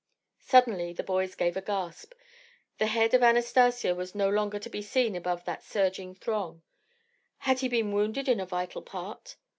Suddenly the boys gave a gasp. The head of Anastacio was no longer to be seen above that surging throng. Had he been wounded in a vital part?